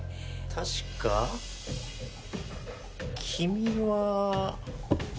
確か君は。